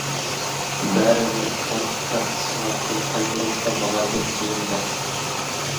بەرىبىر بانكا كارتىسىغا پۇل قايتۇرۇپ ئالمىغاندىن كېيىن دەپ.